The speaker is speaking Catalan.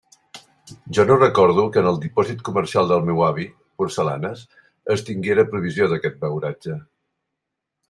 Jo no recorde que en el dipòsit comercial del meu avi Porcellanes es tinguera provisió d'aquest beuratge.